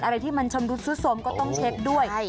อะไรที่มันชำรุดซุดสมก็ต้องเช็คด้วย